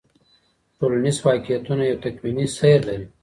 ټولنیز واقعیتونه یو تکویني سیر لري.